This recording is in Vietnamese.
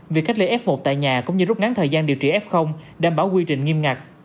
việc cách ly f một tại nhà cũng như rút ngắn thời gian điều trị f đảm bảo quy trình nghiêm ngặt